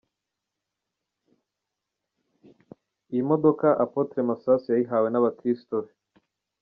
Iyi modoka, Apotre Masasu yayihawe n'abakristo be.